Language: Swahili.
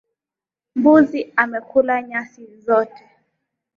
Mbuzi amekula nyasi zote.